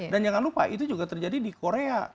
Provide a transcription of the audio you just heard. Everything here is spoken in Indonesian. dan jangan lupa itu juga terjadi di korea